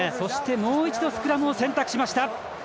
もう一度、スクラムを選択しました。